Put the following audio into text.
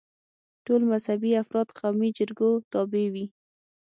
ټول مذهبي افراد قومي جرګو تابع وي.